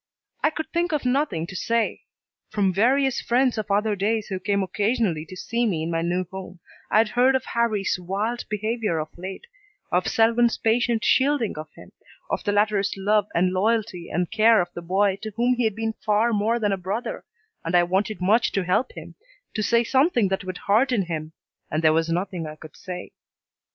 I could think of nothing to say. From various friends of other days who came occasionally to see me in my new home, I had heard of Harrie's wild behavior of late, of Selwyn's patient shielding of him, of the latter's love and loyalty and care of the boy to whom he had been far more than a brother, and I wanted much to help him, to say something that would hearten him, and there was nothing I could say.